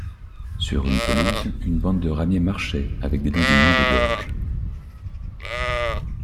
Sur une pelouse, une bande de ramiers marchait, avec des dandinements de gorge.